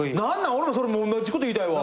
俺もそれおんなじこと言いたいわ。